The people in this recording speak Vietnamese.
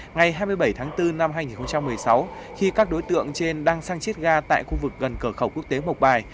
ngày hai mươi bảy tháng bốn năm hai nghìn một mươi sáu khi các đối tượng trên đang sang chiết ga tại khu vực gần cửa khẩu quốc tế mộc bài